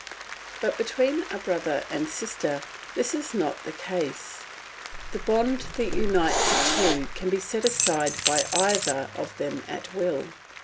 But between a brother and sister this is not the case. The bond that unites the two can be set aside by either of them at will.